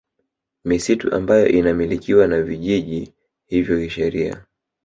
Misitu ambayo inamilikiwa na vijiji hivyo kisheria